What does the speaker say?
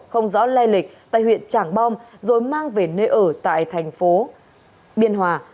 không rõ lai lịch tại huyện trảng bom rồi mang về nơi ở tại thành phố biên hòa